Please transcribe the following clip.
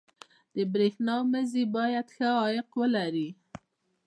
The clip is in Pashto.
• د برېښنا مزي باید ښه عایق ولري.